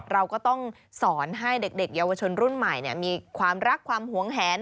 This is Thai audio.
เราก็ต้องสอนให้เด็กเยาวชนรุ่นใหม่มีความรักความหวงแหน